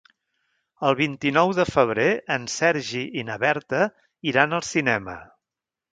El vint-i-nou de febrer en Sergi i na Berta iran al cinema.